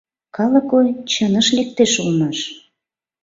Калык ой чыныш лектеш улмаш...